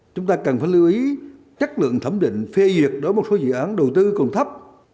chúng ta cần phải lưu ý chất lượng thẩm định phê duyệt đối với một số dự án đầu tư còn thấp